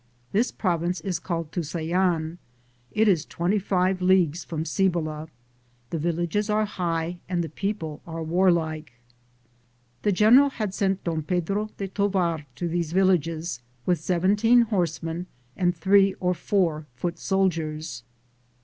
This province is called Tusayan. It is twenty five leagues from Cibola. The villages are .high and the people are warlike. The general had sent Don Pedro de Tovar am Google THE JOURNEY OF CORON1DO to these villages with seventeen horsemen and three or four foot soldiers.